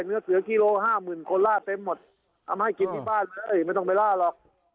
เนื้อเสือกิโลห้าหมื่นคนล่าเต็มหมดเอามาให้กินที่บ้านไม่ต้องไปล่าหรอก